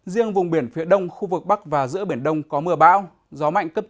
riêng vùng biển phía đông khu vực bắc và giữa biển đông có mưa bão gió mạnh cấp chín cấp một mươi